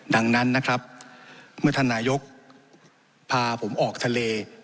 ดังนั้นนะครับเมื่อท่านนายกพาผมออกทะเล